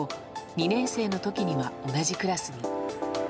２年生の時には同じクラスに。